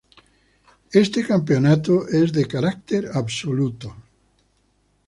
Este campeonato es de carácter absoluto.